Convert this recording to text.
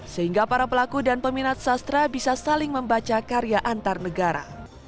sehingga para pelaku dan peminat sastra bisa saling membaca karya antar negara